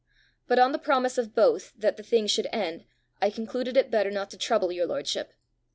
But on the promise of both that the thing should end, I concluded it better not to trouble your lordship.